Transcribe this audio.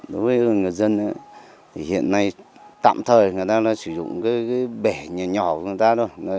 đối với người dân thì hiện nay tạm thời người ta đã sử dụng cái bể nhỏ của người ta thôi